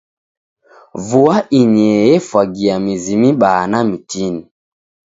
Vua inyee efwagia mizi mibaa na mitini.